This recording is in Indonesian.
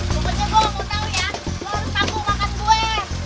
bukannya gua ga mau tau ya lu harus tangguh makan gue